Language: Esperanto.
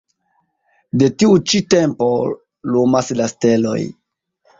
De tiu ĉi tempo lumas la steloj.